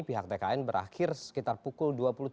pihak tkn berakhir sekitar pukul dua puluh tiga